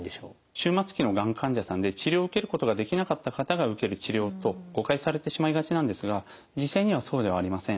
終末期のがん患者さんで治療を受けることができなかった方が受ける治療と誤解されてしまいがちなんですが実際にはそうではありません。